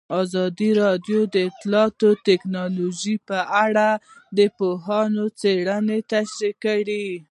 ازادي راډیو د اطلاعاتی تکنالوژي په اړه د پوهانو څېړنې تشریح کړې.